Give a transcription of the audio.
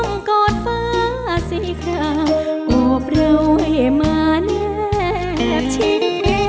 อ้อมกดฟ้าสิค่ะโอบเร็วให้มาเนียบชิ้น